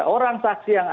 orang saksi yang ada